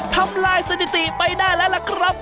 ทำลายสถิติไปได้แล้วล่ะครับ